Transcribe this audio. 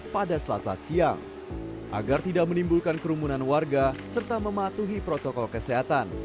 pada selasa siang agar tidak menimbulkan kerumunan warga serta mematuhi protokol kesehatan